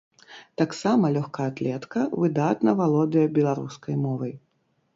Таксама лёгкаатлетка выдатна валодае беларускай мовай.